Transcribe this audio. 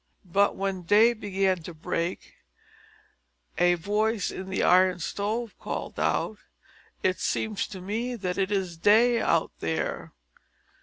But when day began to break, a voice in the Iron Stove called out, "It seems to me that it is day out there."